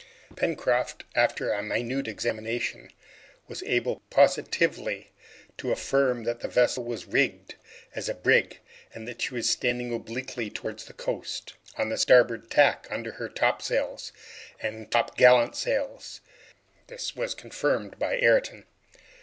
Pencroft, after a minute examination, was able positively to affirm that the vessel was rigged as a brig, and that she was standing obliquely towards the coast, on the starboard tack, under her topsails and top gallant sails. This was confirmed by Ayrton.